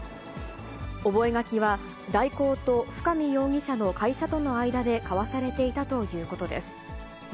覚書は、大広と深見容疑者の会社との間で交わされていたということです。